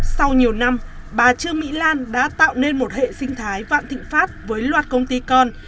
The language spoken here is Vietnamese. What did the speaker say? sau nhiều năm bà trương mỹ lan đã tạo nên một hệ sinh thái vạn thịnh pháp với loạt công ty con